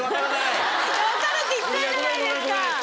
分かるって言ったじゃないですか。